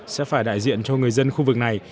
sẽ phải đại diện cho người dân khu vực này